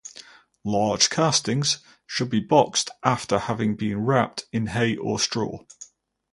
Large castings should be boxed after having been wrapped in hay or straw.